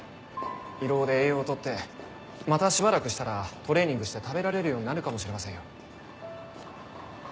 胃ろうで栄養を取ってまたしばらくしたらトレーニングして食べられるようになるかもしれませんよ。